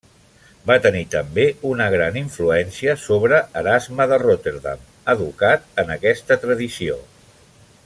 Va tenir també una gran influència sobre Erasme de Rotterdam, educat en aquesta tradició.